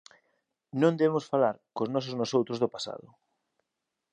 Non debemos falar cos nosos nosoutros do pasado